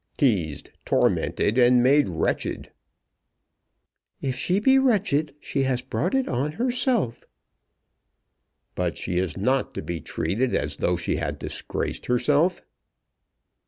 "Teased, tormented, and made wretched." "If she be wretched she has brought it on herself." "But she is not to be treated as though she had disgraced herself."